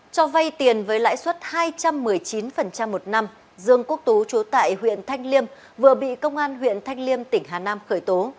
cho vay tiền với lãi suất hai trăm một mươi chín một năm dương quốc tú trú tại huyện thanh liêm vừa bị công an huyện thanh liêm tỉnh hà nam khởi tố